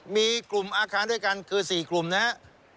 มีกลุ่มอาคารด้วยกันคือ๔กลุ่มนะครับ